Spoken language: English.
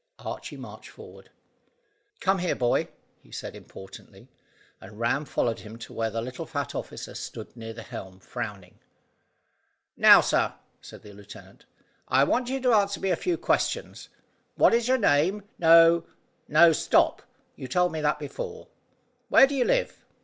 Archy marched forward. "Come here, boy," he said importantly; and Ram followed him to where the little fat officer stood near the helm, frowning. "Now, sir," said the lieutenant, "I want you to answer me a few questions. What is your name no, no, stop, you told me before. Where do you live?"